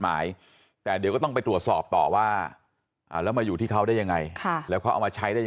อ๋อมันเป็นประปรับการตัวเนื้อบ่าก็ยิ่งกันใช่ไหม